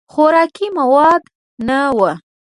خوراکي مواد نه وو.